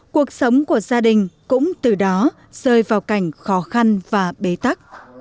cuộc sống của gia đình cũng từ đó rơi vào cảnh khó khăn và bế tắc